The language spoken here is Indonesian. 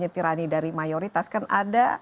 tirani dari mayoritas kan ada